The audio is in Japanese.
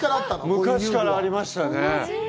昔からありましたね。